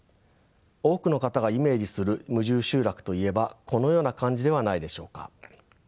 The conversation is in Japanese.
多くの方がイメージする無住集落といえばこのような感じではないでしょうか。